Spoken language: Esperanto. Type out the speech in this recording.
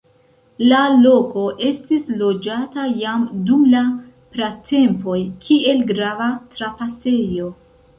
La loko estis loĝata jam dum la pratempoj, kiel grava trapasejo.